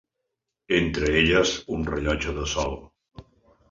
Entre elles un rellotge de sol.